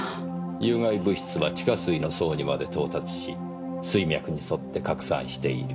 有害物質は地下水の層にまで到達し水脈に沿って拡散している。